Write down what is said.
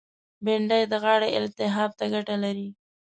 بېنډۍ د غاړې التهاب ته ګټه لري